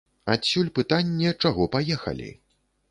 Адсюль пытанне, чаго паехалі?